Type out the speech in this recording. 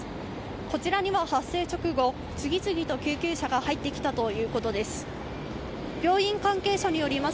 こちらには発生直後、次々と救急車が入ってきたということです。